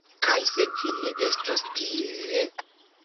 Kaj se vi ne estos tie....